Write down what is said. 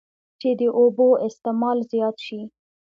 چې د اوبو استعمال زيات شي